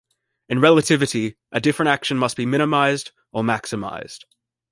In relativity, a different action must be minimized or maximized.